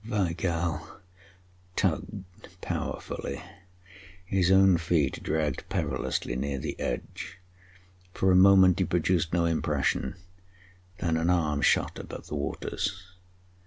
Weigall tugged powerfully, his own feet dragged perilously near the edge. For a moment he produced no impression, then an arm shot above the waters.